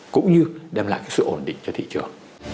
cũng như đem lại cái sự ổn định cho thị trường